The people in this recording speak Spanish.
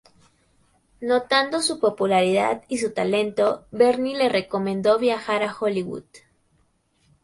Notando su popularidad y su talento, Bernie le recomendó viajar a Hollywood.